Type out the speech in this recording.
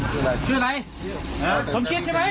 สวัสดีครับสวัสดีครับ